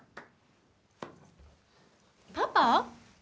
パパ？